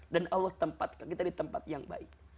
dan allah tempatkan kita di tempat yang baik